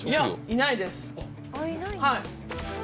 いないです。